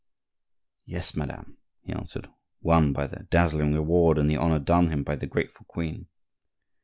"Yes, madame," he answered, won by the dazzling reward and the honor done him by the grateful queen.